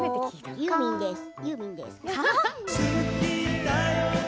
ユーミンです。